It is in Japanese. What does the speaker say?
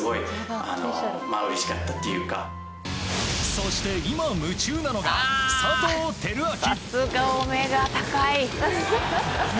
そして今、夢中なのが佐藤輝明。